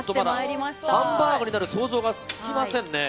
まだハンバーグになる想像がつきませんね。